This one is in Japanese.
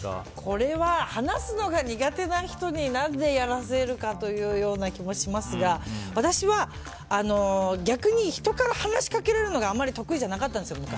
これは話すのが苦手な人になぜやらせるかというような気もしますが私は逆に人から話しかけられるのがあんまり得意じゃなかったんです。